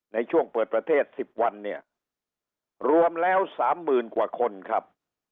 ในช่วงเปิดประเทศ๑๐วันเนี่ยรวมแล้วสามหมื่นกว่าคนครับ